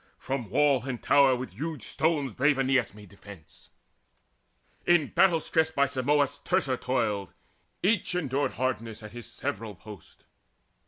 From wall and tower With huge stones brave Aeneas made defence. In battle stress by Simons Teucer toiled. Each endured hardness at his several post.